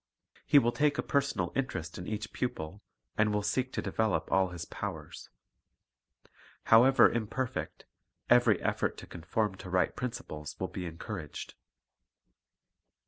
He will take a personal interest in each pupil, and will seek to develop all his powers. How ever imperfect, every effort to conform to right prin ciples will be encouraged.